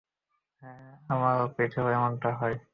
হ্যাঁ, আমার পিঠেও এমনটা হয়।